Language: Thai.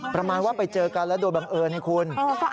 ประมาณว่าไปเจอกันแล้วโดยบังเอิญให้คุณ